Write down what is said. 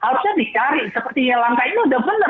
harusnya dicari sepertinya langkah ini udah benar